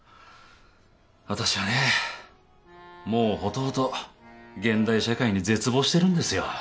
私はねもうほとほと現代社会に絶望してるんですよ。